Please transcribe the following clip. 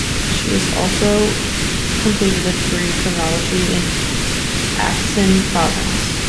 She is also completed a degree in criminology in Aix-en-Provence.